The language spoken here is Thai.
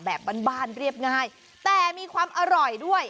แบบบ้านบ้านเรียบง่ายแต่มีความอร่อยด้วย